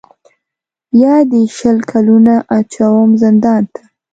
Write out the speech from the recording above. یا دي شل کلونه اچوم زندان ته